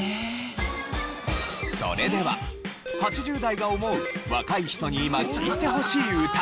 それでは８０代が思う若い人に今聴いてほしい歌。